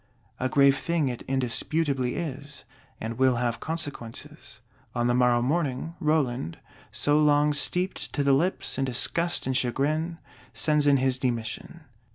A grave thing it indisputably is; and will have consequences. On the morrow morning, Roland, so long steeped to the lips in disgust and chagrin, sends in his demission.